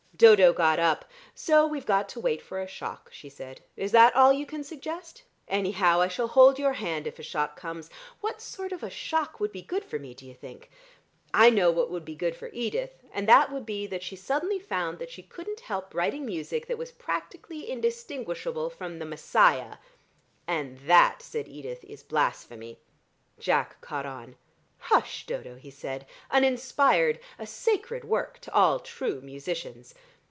Dodo got up. "So we've got to wait for a shock," she said. "Is that all you can suggest? Anyhow, I shall hold your hand if a shock comes. What sort of a shock would be good for me, do you think? I know what would be good for Edith, and that would be that she suddenly found that she couldn't help writing music that was practically indistinguishable from the Messiah." "And that," said Edith, "is blasphemy." Jack caught on. "Hush, Dodo," he said, "an inspired, a sacred work to all true musicians."